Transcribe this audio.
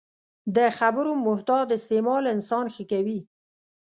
د خبرو محتاط استعمال انسان ښه کوي